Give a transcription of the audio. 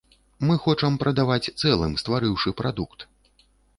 Мы хочам прадаваць цэлым, стварыўшы прадукт.